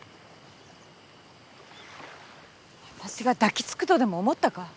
私が抱きつくとでも思ったか？